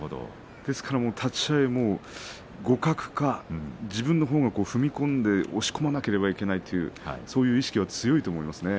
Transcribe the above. ですから立ち合い、互角か自分のほうが踏み込んで押し込まなければいけないそういう意識は強いと思いますね。